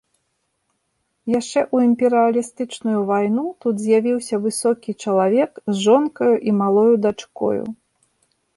Яшчэ ў імперыялістычную вайну тут з'явіўся высокі чалавек з жонкай і малою дачкою.